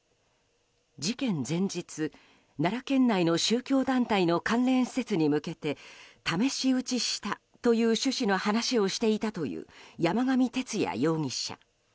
事件前日、奈良県内の宗教団体の関連施設に向けて試し撃ちしたという趣旨の話をしていたという山上徹也容疑者。